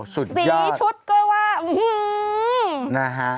สุดยอดสีชุดก็ว่าอื้อนะฮะ